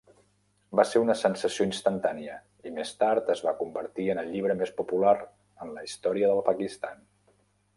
Va ser una "sensació instantània" i més tard es va convertir en el "llibre més popular en la història del Pakistan".